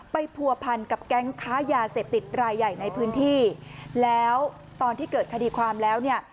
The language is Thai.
ผัวพันกับแก๊งค้ายาเสพติดรายใหญ่ในพื้นที่แล้วตอนที่เกิดคดีความแล้วเนี่ย